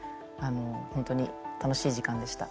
本当に楽しい時間でした。